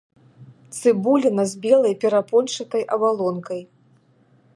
Цыбуліна з белай перапончатай абалонкай.